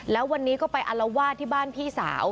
แล้ววันนี้ก็ไปอารวาสที่บ้านพี่สาว